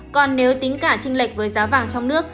còn nếu tính cả tranh lệch với giá vàng trong nước